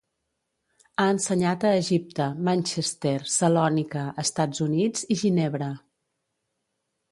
Ha ensenyat a Egipte, Manchester, Salònica, Estats Units i Ginebra.